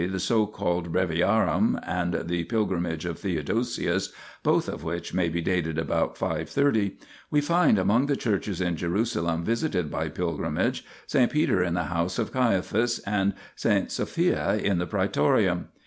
the so called Breviarium, and the pilgrimage of Theodosius (both of which may be dated about 530), we find among the churches in Jerusalem visited by pilgrims " S. Peter in the house of Caiaphas," and " S. Sophia in the Praetorium."